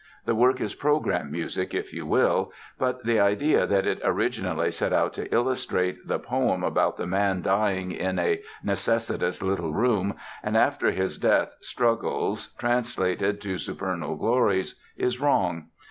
The work is program music, if you will; but the idea that it originally set out to illustrate the poem about the man dying in a "necessitous little room" and, after his death struggles, translated to supernal glories, is wrong.